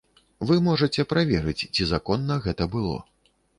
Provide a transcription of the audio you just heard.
Вы можаце праверыць, ці законна гэта было.